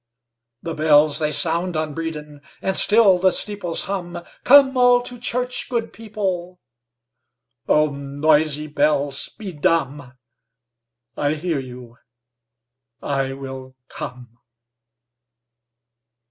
The bells they sound on Bredon, And still the steeples hum.'Come all to church, good people,'—Oh, noisy bells, be dumb;I hear you, I will come.